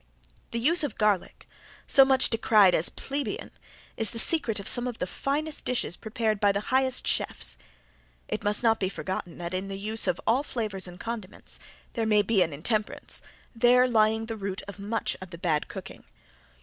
The use of garlic, so much decried as plebeian, is the secret of some of the finest dishes prepared by the highest chefs. It must not be forgotten that in the use of all flavors and condiments there may be an intemperance, there lying the root of much of the bad cooking.